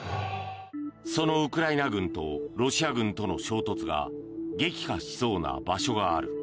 そのウクライナ軍とロシア軍との衝突が激化しそうな場所がある。